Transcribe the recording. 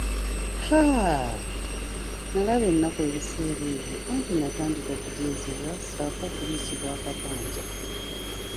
Haaa! Nalaba ennaku mu biseera ebyo anti natandika okujeezebwa, ssaako okuliisibwa akakanja.